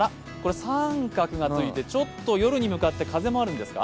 △がついて、ちょっと夜に向かって風もあるんですか。